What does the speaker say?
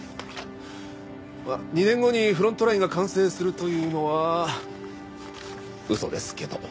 ２年後にフロントラインが完成するというのは嘘ですけど。